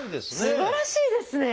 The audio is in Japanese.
すばらしいですね。